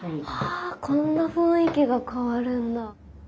こんな雰囲気が変わるんだ。